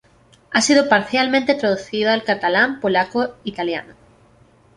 Ha sido parcialmente traducida al catalán, polaco, italiano.